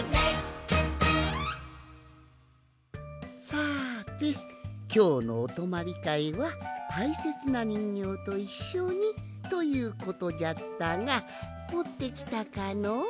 さてきょうのおとまりかいはたいせつなにんぎょうといっしょにということじゃったがもってきたかの？